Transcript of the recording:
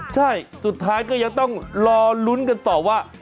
ใช่สุดท้ายก็ยังต้องรอลุ้นกันต่อว่า